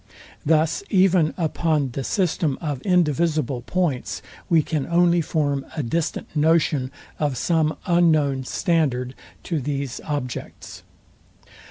Thus even upon the system of indivisible points, we can only form a distant notion of some unknown standard to these objects.